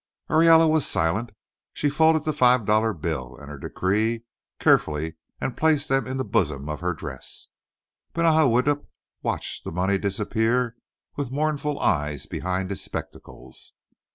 Ariela was silent. She folded the five dollar bill and her decree carefully, and placed them in the bosom of her dress. Benaja Widdup watched the money disappear with mournful eyes behind his spectacles.